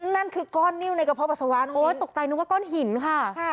นั่นคือก้อนนิ้วในกระเพาปัสสาวะโอ๊ยตกใจนึกว่าก้อนหินค่ะ